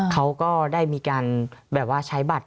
เขาก็ได้มีการแบบว่าใช้บัตร